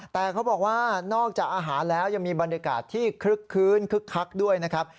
แต่เขาบอกว่านอกจากอาหารแล้วยังมีบรรยากาศที่คลึกคื้นคึกคักด้วยนะครับ